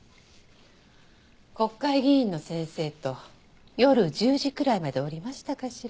国会議員の先生と夜１０時くらいまでおりましたかしら。